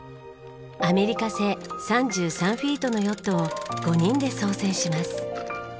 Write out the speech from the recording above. アメリカ製３３フィートのヨットを５人で操船します。